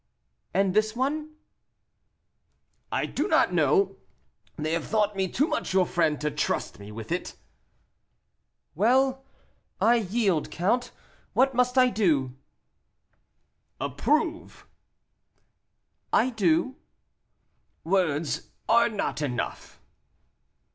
"And this one?" "I do not know; they thought me too much your friend to trust me with it." "Well, I yield, count. What must I do?" "Approve." "I do." "Words are not enough."